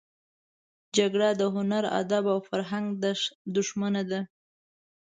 جګړه د هنر، ادب او فرهنګ دښمنه ده